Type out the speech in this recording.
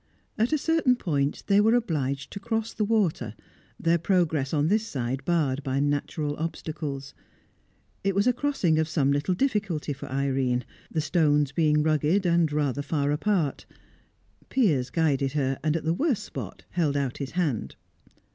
At a certain point, they were obliged to cross the water, their progress on this side barred by natural obstacles. It was a crossing of some little difficulty for Irene, the stones being rugged, and rather far apart; Piers guided her, and at the worst spot held out his hand.